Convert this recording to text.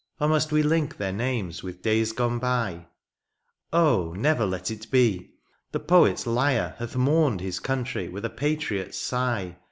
Or must we link their names with days gone by ? Oh ! never let it be — ^the poet's lyre Hath mourned his country with a patriot's sigh.